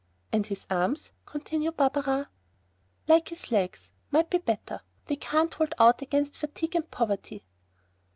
"And his arms?" continued Barberin. "Like his legs ... might be better. They can't hold out against fatigue and poverty."